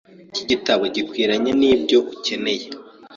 Iki gitabo gikwiranye nibyo ukeneye.